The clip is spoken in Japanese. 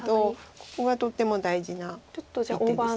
ここがとっても大事な一手です。